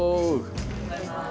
おはようございます。